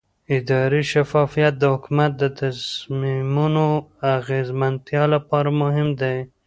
اداري شفافیت د حکومت د تصمیمونو د اغیزمنتیا لپاره مهم دی